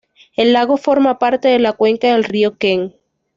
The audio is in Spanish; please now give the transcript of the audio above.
El lago forma parte de la cuenca del río Kem.